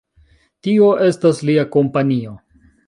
Tio estas lia kompanio.